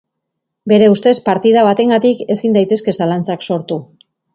Bere ustez, partida bategatik ezin daitezke zalantzak sortu.